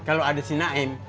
bentar kalo ada si naim